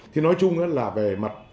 thì nói chung là về mặt